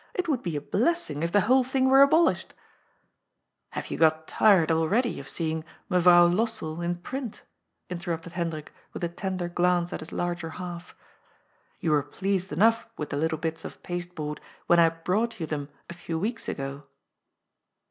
It would be a blessing if the whole thing were abolished." THE BBIDS ASKS FOB FLOWEBS. 181 " Hare you got tired already of seeing * Mevrouw Los sell' in print?" intermpted Hendrik with a tender glance at his larger half. ^'Yon were pleased enough with the little bits of pasteboard when I brought you them a few weeks ago."